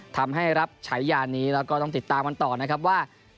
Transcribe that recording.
ทำให้รับฉายานี้แล้วก็ต้องติดตามกันต่อนะครับว่า